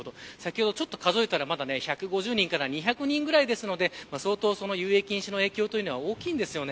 先ほど数えたら１５０人から２００人くらいですので相当、遊泳禁止の影響は大きいです。